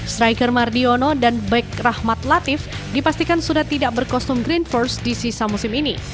striker mardiono dan back rahmat latif dipastikan sudah tidak berkostum green force di sisa musim ini